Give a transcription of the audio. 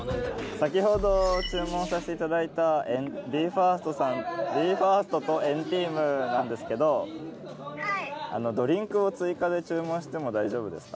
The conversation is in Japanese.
先ほど注文させていただいたＢＥ：ＦＩＲＳＴと＆ＴＥＡＭなんですけどドリンクを追加で注文しても大丈夫ですか？